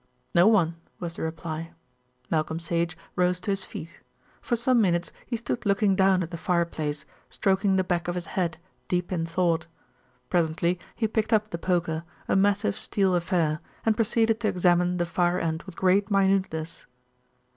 "No one," was the reply. Malcolm Sage rose to his feet. For some minutes he stood looking down at the fireplace, stroking the back of his head, deep in thought. Presently he picked up the poker, a massive steel affair, and proceeded to examine the fire end with great minuteness.